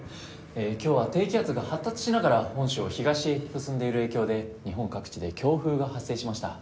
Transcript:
今日は低気圧が発達しながら本州を東へ進んでいる影響で日本各地で強風が発生しました。